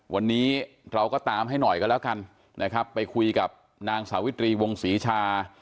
วันนี้เราก็ตามให้หน่อยกันแล้วกันนะครับไปคุยกับนางสาวิตรีวงศรีชา